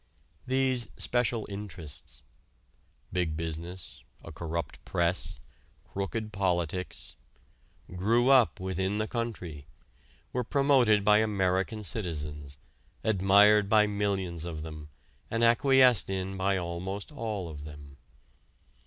These "special interests" big business, a corrupt press, crooked politics grew up within the country, were promoted by American citizens, admired by millions of them, and acquiesced in by almost all of them.